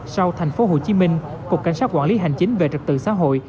sau tp hcm cục cảnh sát quản lý hành chính về trật tự xã hội